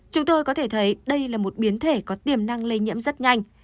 chúng tôi có thể thấy đây là một biến thể có tiềm năng lây nhiễm rất nhanh